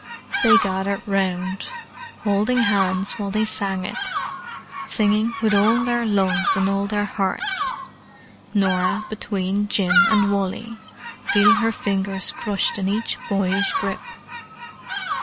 They gathered round, holding hands while they sang it; singing with all their lungs and all their hearts: Norah between Jim and Wally, feeling her fingers crushed in each boyish grip.